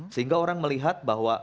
sehingga orang melihat bahwa